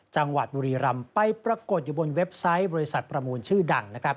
จังหวัดบุรีรำไปปรากฏอยู่บนเว็บไซต์บริษัทประมูลชื่อดังนะครับ